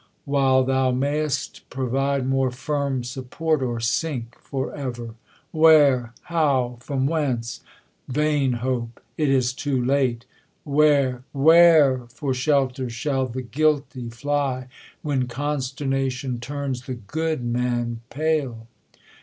while thou mayst, Provide more firm support, or sink forever ! Where ? how ? from whence ? vmn hope ! It is too late ! Where, where, for shelter, shall the guilti/ fly, When consternation turns the good man pale